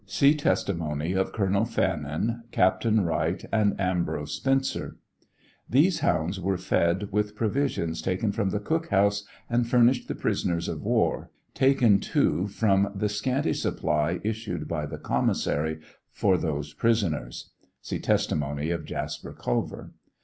(See testimony of Colonel Fannin, Captain Wright, and Ambrose Spencer.) These hounds were fed with provisions taken from the cook house and furnished the prisoners of war, taken, too, from the scanty supply issued by the commissary for those prisoners. (See testimony of Jasper Culver.)